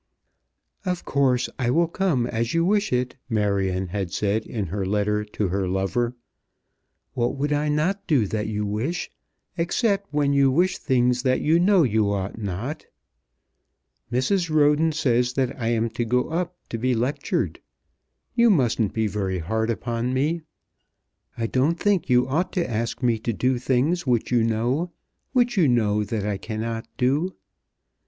"Of course I will come as you wish it," Marion had said in her letter to her lover. "What would I not do that you wish, except when you wish things that you know you ought not? Mrs. Roden says that I am to go up to be lectured. You mustn't be very hard upon me. I don't think you ought to ask me to do things which you know, which you know that I cannot do.